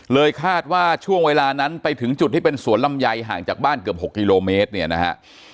คาดว่าช่วงเวลานั้นไปถึงจุดที่เป็นสวนลำไยห่างจากบ้านเกือบ๖กิโลเมตรเนี่ยนะฮะ